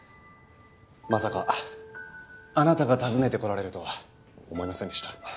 まさかあなたが訪ねてこられるとは思いませんでした。